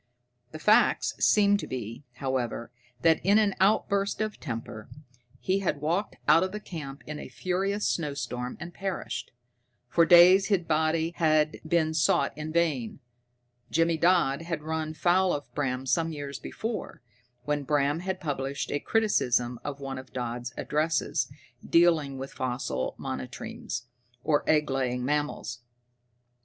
The facts seemed to be, however, that in an outburst of temper he had walked out of camp in a furious snowstorm and perished. For days his body had been sought in vain. Jimmy Dodd had run foul of Bram some years before, when Bram had published a criticism of one of Dodd's addresses dealing with fossil monotremes, or egg laying mammals.